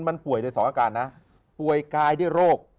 มันป่วยในสองอาการนะป่วยกายด้วยโรค